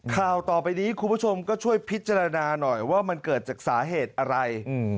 ข่าวต่อไปนี้คุณผู้ชมก็ช่วยพิจารณาหน่อยว่ามันเกิดจากสาเหตุอะไร